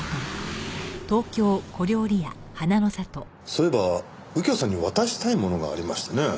そういえば右京さんに渡したいものがありましてね。